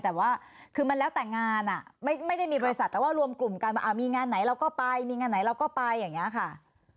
แต่ว่าคือมันแล้วแต่งานไม่ได้มีบริษัทแต่ว่ารวมกลุ่มกันว่ามีงานไหนเราก็ไปมีงานไหนเราก็ไปอย่างนี้ค่ะ